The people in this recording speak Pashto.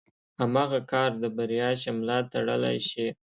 هماغه کار د بريا شمله تړلی شي.